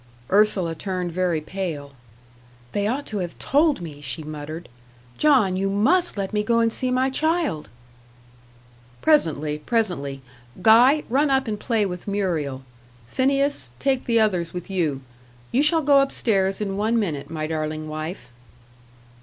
Ursula turned very pale. "They ought to have told me," she muttered; "John, YOU MUST let me go and see my child." "Presently presently Guy, run up and play with Muriel. Phineas, take the others with you. You shall go up stairs in one minute, my darling wife!"